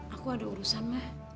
aku ada urusan mbak